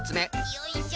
よいしょ。